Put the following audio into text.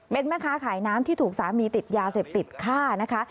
เป็นแม่ค้าขายน้ำที่ถูกสามีติดยาเสพติดฆ่านะคะ